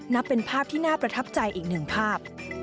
นับเป็นภาพที่น่าประทับใจอีกหนึ่งภาพ